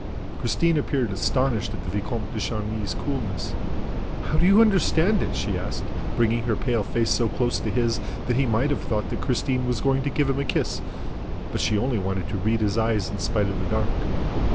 Christine appeared astonished at the Vicomte de Chagny's coolness: "How do you understand it?" she asked, bringing her pale face so close to his that he might have thought that Christine was going to give him a kiss; but she only wanted to read his eyes in spite of the dark.